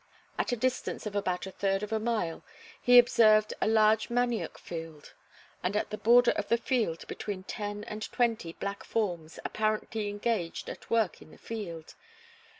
At the distance of about a third of a mile he observed a large manioc field and at the border of the field between ten and twenty black forms apparently engaged at work in the field.